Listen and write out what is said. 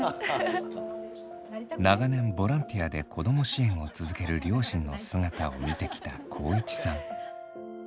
長年ボランティアで子ども支援を続ける両親の姿を見てきた航一さん。